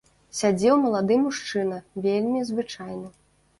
Сядзеў малады мужчына, вельмі звычайны.